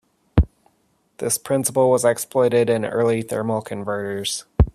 This principle was exploited in early thermal converters.